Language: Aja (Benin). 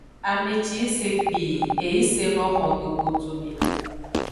Ame ci yi se gbii, e yi seno xo do godu me.